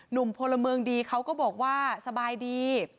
หนุ่มพลเมิงดีเขาก็บอกว่าของมันก็สบายดี